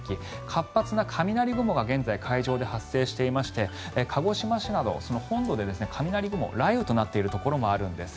活発な雷雲が現在、海上で発生していまして鹿児島市などの本土で雷雲、雷雨となっているところもあるんです。